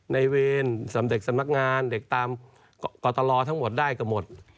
เวรสมเด็จสำนักงานเด็กตามกตลทั้งหมดได้ก็หมด